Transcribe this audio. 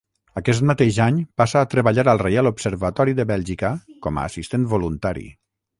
Aquest mateix any passa a treballar al Reial Observatori de Bèlgica com a assistent voluntari.